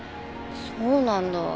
そうなんだ。